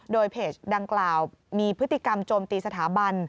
โดยเพจดังกล่าวมีพฤติกรรมโจมตีสถาบัน